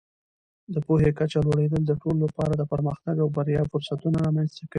د پوهې کچه لوړېدل د ټولو لپاره د پرمختګ او بریا فرصتونه رامینځته کوي.